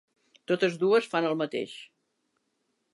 Totes dues fan el mateix.